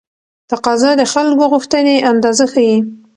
تقاضا د خلکو غوښتنې اندازه ښيي.